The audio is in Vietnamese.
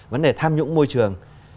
vấn đề tham nhũng môi trường